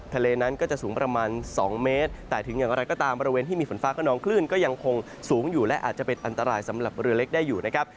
ทะเลนั้นก็จะสูงประมาณ๒เมตรแต่ถึงอย่างไรก็ตามบริเวณที่มีฝนฟ้าขนองคลื่นก็ยังคงสูงอยู่และอาจจะเป็นอันตรายสำหรับเรือเล็กได้อยู่นะครับ